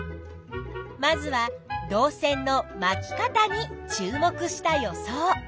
まずは導線の「まき方」に注目した予想。